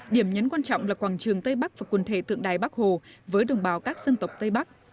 điểm nhấn quan trọng là quảng trường tây bắc và quần thể tượng đài bắc hồ với đồng bào các dân tộc tây bắc